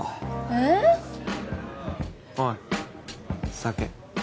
えぇ？おい酒。